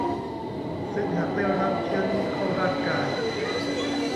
ซึ่งหากได้รับเชื้อนี้เข้าร่างกาย